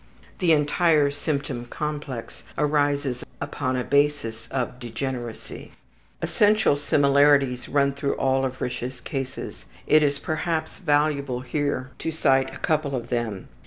The entire symptom complex arises upon a basis of degeneracy. Essential similarities run through all of Risch's cases; it is perhaps valuable here to cite a couple of them.